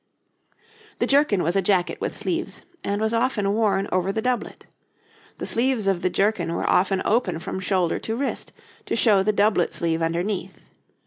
The jerkin was a jacket with sleeves, and was often worn over the doublet. The sleeves of the jerkin were often open from shoulder to wrist to show the doublet sleeve underneath.